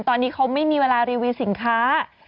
ตอนนี้เขาไม่มีเวลารีวิวสินค้า